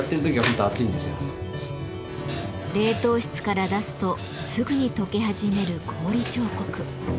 冷凍室から出すとすぐにとけ始める氷彫刻。